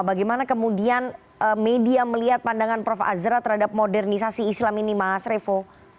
bagaimana kemudian media melihat pandangan prof azra terhadap modernisasi islam ini mas revo